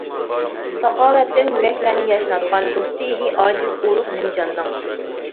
ساخاۋەتتىن يۈرەكلەرنى ياشناتقان، دوستى ئىدى ئاجىز، ئۇرۇق، نىمجاننىڭ.